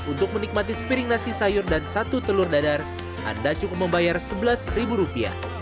untuk menikmati sepiring nasi sayur dan satu telur dadar anda cukup membayar rp sebelas